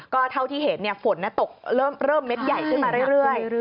ก็เท่าที่เห็นฝนตกเริ่มเม็ดใหญ่ขึ้นมาเรื่อย